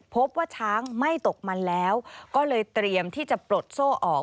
พบว่าช้างไม่ตกมันแล้วก็เลยเตรียมที่จะปลดโซ่ออก